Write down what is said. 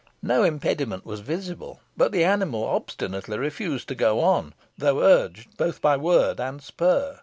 No impediment was visible, but the animal obstinately refused to go on, though urged both by word and spur.